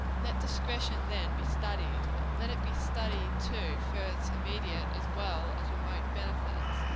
Let discretion then be studied. Let it be studied, too, for its immediate as well as remote benefits.